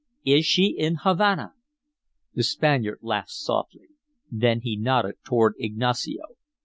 "Is she in Havana?" The Spaniard laughed softly. Then he nodded toward Ignacio.